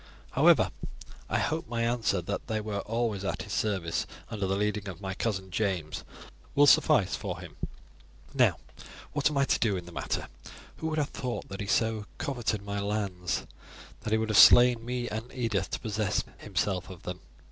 However, I hope that my answer that they were always at his service under the leading of my cousin James will suffice for him. Now, what am I to do in that matter? Who would have thought that he so coveted my lands that he would have slain me and Edith to possess himself of them?